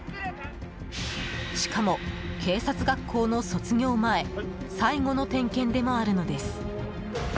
しかも、警察学校の卒業前最後の点検でもあるのです。